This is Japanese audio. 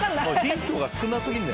ヒントが少な過ぎんだよ。